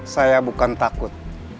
saya bukan takut